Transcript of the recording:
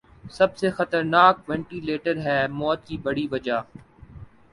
سب سے خطرناک ونٹیلیٹر ہے موت کی بڑی وجہ ۔